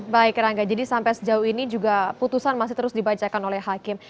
baik rangga jadi sampai sejauh ini juga putusan masih terus dibacakan oleh hakim